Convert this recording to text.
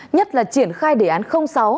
nhất là triển khai đề án sáu